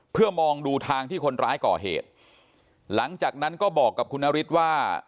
เพื่อมองดูทางที่คนร้ายก่อเหตุหลังจากนั้นก็บอกกับคุณนฤทธิ์ว่า